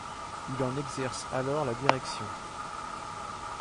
Il en exerce alors la direction.